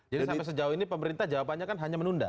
jadi sampai sejauh ini pemerintah jawabannya kan hanya menunda